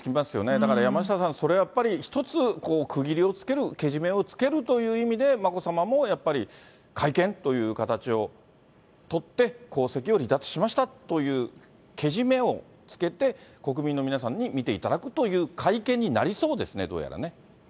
だから山下さん、それはやっぱり一つ区切りをつける、けじめをつけるという意味で、眞子さまも、やっぱり会見という形を取って、皇籍を離脱しましたという、けじめをつけて、国民の皆さんに見ていただくという会見になりそうですね、どうやらね。